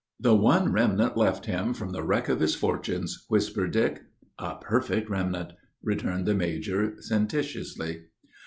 "The one remnant left him from the wreck of his fortunes," whispered Dick. "A perfect remnant!" returned the major, sententiously.